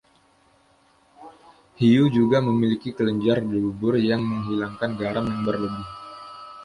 Hiu juga memiliki kelenjar dubur yang menghilangkan garam yang berlebih.